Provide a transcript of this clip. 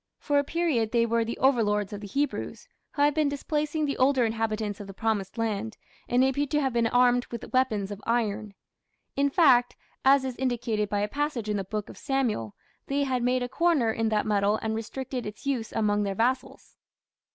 For a period they were the overlords of the Hebrews, who had been displacing the older inhabitants of the "Promised Land", and appear to have been armed with weapons of iron. In fact, as is indicated by a passage in the Book of Samuel, they had made a "corner" in that metal and restricted its use among their vassals.